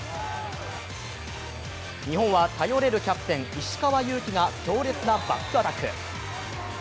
日本は頼れるキャプテン石川祐希が強烈なバックアタック。